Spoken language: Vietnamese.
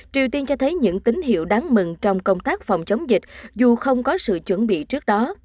triều tiên cho thấy những tín hiệu đáng mừng trong công tác phòng chống dịch dù không có sự chuẩn bị trước đó